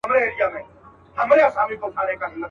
په اساس کي بس همدغه شراکت دئ.